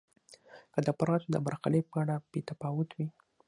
که د افرادو د برخلیک په اړه بې تفاوت وي.